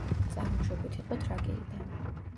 წარმოშობით იყო თრაკიიდან.